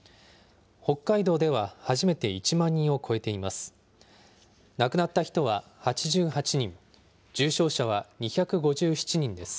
北海道では初めて１万人を超えています。